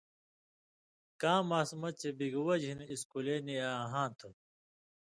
کاں ماسمہ چےۡ بِگی وجہۡ ہِن اِسکُلے نی اېں ہاں تُھو